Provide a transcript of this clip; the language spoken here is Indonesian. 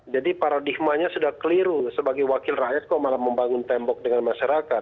jadi paradigmanya sudah keliru sebagai wakil rakyat kok malah membangun tembok dengan masyarakat